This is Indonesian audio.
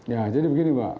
ya jadi begini mbak